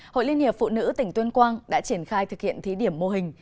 hội liên hiệp phụ nữ tỉnh tuyên quang đã triển khai thực hiện thí điểm mô hình